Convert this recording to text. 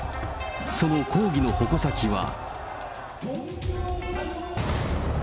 その抗議の矛先は。